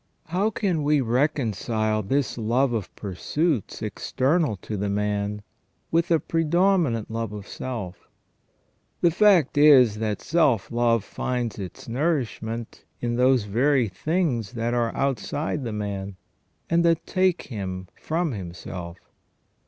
How can we reconcile this love of pursuits external to the man with a predominant love of self.? The fact is that self love finds its nourishment in those very things that are outside the man, and that take him from himself.